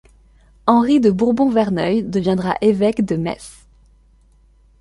Henri de Bourbon-Verneuil deviendra évêque de Metz.